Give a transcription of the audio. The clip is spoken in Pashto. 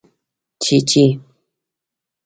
🐤چېچۍ